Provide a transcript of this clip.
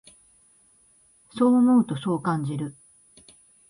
そう思うと、そう感じる。